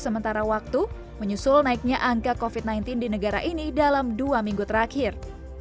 sementara waktu menyusul naiknya angka covid sembilan belas di negara ini dalam dua minggu terakhir